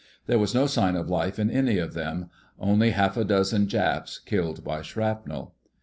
There was no sign of life in any of them—only half a dozen Japs killed by shrapnel.